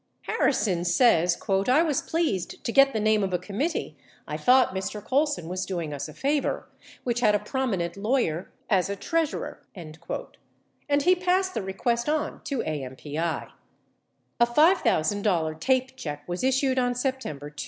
77 Harrison says, "I was pleased to get the name of a committee — I thought Mr. Colson was doing us a favor — which had a prominent lawyer as a treasurer" 78 and he passed the request on to AMPI. A $5,000 TAPE check was issued on September 2.